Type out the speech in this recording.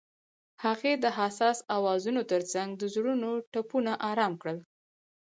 هغې د حساس اوازونو ترڅنګ د زړونو ټپونه آرام کړل.